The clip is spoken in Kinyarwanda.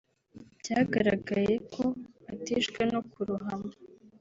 byagaragaje ko atishwe no kurohama